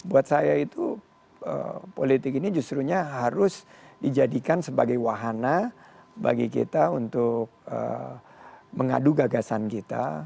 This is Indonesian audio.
buat saya itu politik ini justrunya harus dijadikan sebagai wahana bagi kita untuk mengadu gagasan kita